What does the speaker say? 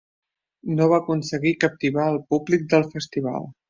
No va aconseguir captivar el públic del festival.